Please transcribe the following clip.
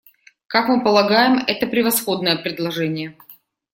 Как мы полагаем, это превосходное предложение.